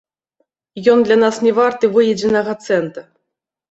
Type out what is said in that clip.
Ён для нас не варты выедзенага цэнта.